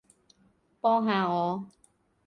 幫下我